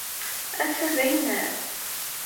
Ass-a d aynas?